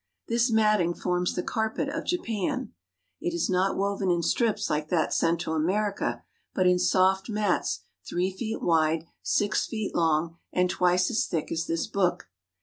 This matting forms the carpet of Japan. It is not woven in strips like that sent to America, but in soft mats three Hibachi. ^^^* wi^^' si^ ^^^^ l^^g' and twice as thick as this book.